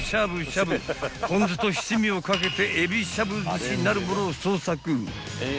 ［ポン酢と七味をかけてえびしゃぶ寿司なるものを創作］